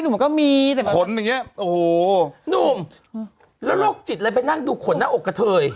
หนุ่มไปนั่งดูเข้าใจกะเทย